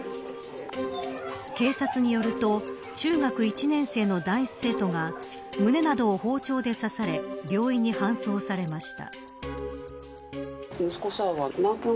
警察によると中学１年生の男子生徒が胸などを包丁で刺され病院に搬送されました。